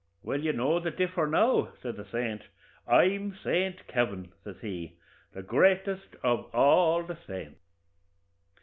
'Well, you know the differ now,' says the saint. 'I'm Saint Kavin,' says he, 'the greatest of all the saints.'